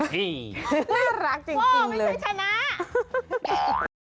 น่ารักจริงเลยว้าวไม่ใช่ชนะ